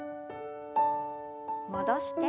戻して。